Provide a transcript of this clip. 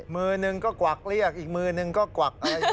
มือหนึ่งก็กวักเรียกอีกมือนึงก็กวักอะไรอยู่